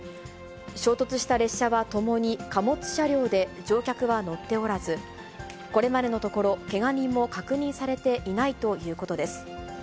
衝突した列車はともに貨物車両で、乗客は乗っておらず、これまでのところ、けが人も確認されていないということです。